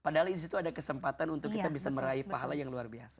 padahal disitu ada kesempatan untuk kita bisa meraih pahala yang luar biasa